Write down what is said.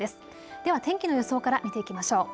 では天気の予想から見ていきましょう。